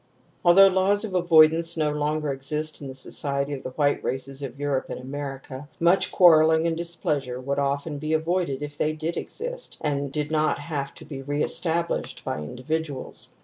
Although laws of avoid ance no longer exist in the society of the white races of Europe and America, much quarrelling and displeasure would often be avoided if they did exist and did not have to be re established by individuals.